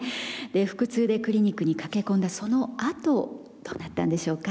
腹痛でクリニックに駆け込んだそのあとどうなったんでしょうか。